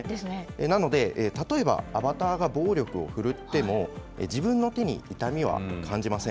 なので、例えばアバターが暴力を振るっても、自分の手に痛みは感じません。